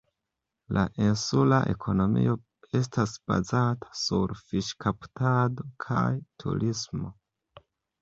La insula ekonomio estas bazata sur fiŝkaptado kaj turismo.